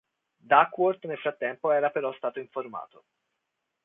Duckworth nel frattempo era però stato informato.